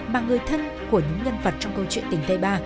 mà người thân của những nhân vật trong câu chuyện tình tay ba